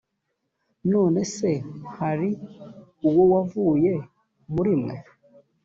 none se hari uwo wavuye muri mwe